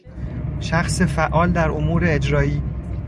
شخص فعال در امور اجرایی